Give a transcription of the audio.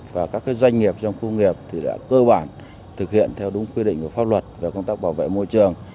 và các doanh nghiệp trong khu nghiệp thì đã cơ bản thực hiện theo đúng quy định của pháp luật về công tác bảo vệ môi trường